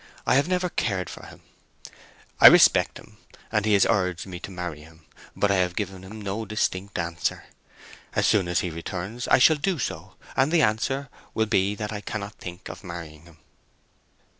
I have never cared for him. I respect him, and he has urged me to marry him. But I have given him no distinct answer. As soon as he returns I shall do so; and the answer will be that I cannot think of marrying him."